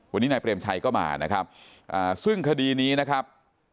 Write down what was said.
วันนี้นายเปรมชัยก็มานะครับซึ่งคดีนี้นะครับ